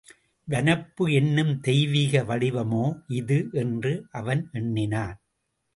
வனப்பு என்னும் தெய்வீக வடிவமோ இது! என்று அவன் எண்ணினான்.